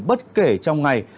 bất kể trong ngày